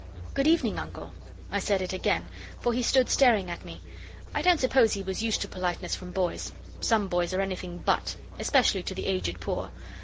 'Good evening, Uncle.' I said it again, for he stood staring at me. I don't suppose he was used to politeness from boys some boys are anything but especially to the Aged Poor.